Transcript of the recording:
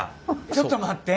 ちょっと待って。